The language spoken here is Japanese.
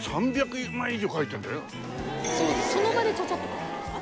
その場でちゃちゃっと描くんですか？